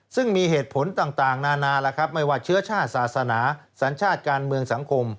ซึ่งมีเหตุผลต่างนานาแล้วครับไม่ว่าเชื้อชาติศาสนาสัญชาติการเมืองสังคม